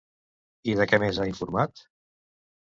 I de què més ha informat?